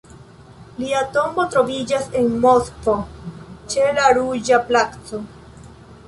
Lia tombo troviĝas en Moskvo, ĉe la Ruĝa Placo.